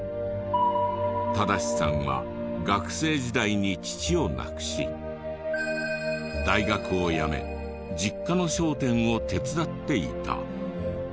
正直さんは学生時代に父を亡くし大学を辞め実家の商店を手伝っていた。